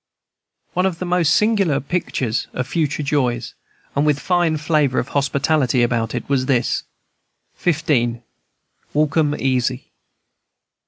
One of the most singular pictures of future joys, and with fine flavor of hospitality about it, was this: XV. WALK 'EM EASY.